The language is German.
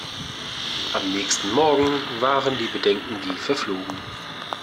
Am nächsten Morgen waren die Bedenken wie verflogen.